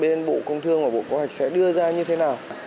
bên bộ công thương và bộ công hạch sẽ đưa ra như thế nào